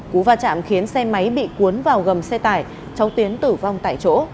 cú va chạm khiến xe máy bị cuốn vào gầm xe tải cháu tiến tử vong tại chỗ